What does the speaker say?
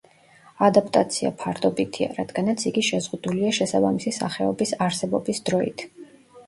ადაპტაცია ფარდობითია, რადგანაც იგი შეზღუდულია შესაბამისი სახეობის არსებობის დროით.